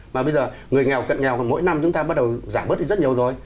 mà bây giờ người nghèo cận nghèo mỗi năm chúng ta bắt đầu giảm bớt rất nhiều rồi